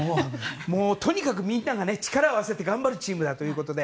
とにかくみんなが力を合わせて頑張るチームだということで。